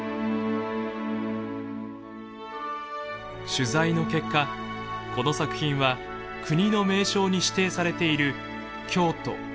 取材の結果この作品は国の名勝に指定されている京都東本願寺の